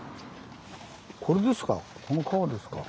これですかこの川ですか？